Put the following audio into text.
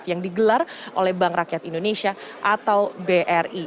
yang digelar oleh bank rakyat indonesia atau bri